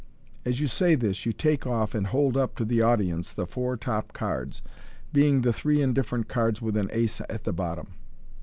*' As you say this, you take off and hold up to the audience the four top cards, being the three indifferent cards with an ace at the bottom.